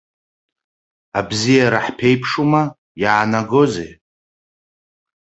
Абзиара ҳԥеиԥшума, иаанагозеи?